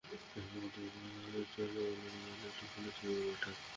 এরই মধ্যে বৃক্ষপ্রেমিক জায়েদ আমিন মেইল করে একটি ফুলের ছবি পাঠান।